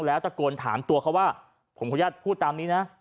แล้วตะโกนถามตัวเขาว่าผมขออนุญาตพูดตามนี้นะ